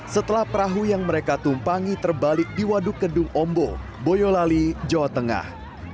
setelah perahu yang mereka tumpangi terbalik di waduk kedung ombo boyolali jawa tengah